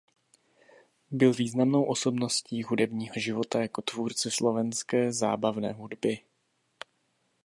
Byl významnou osobností hudebního života jako tvůrce slovenské zábavné hudby.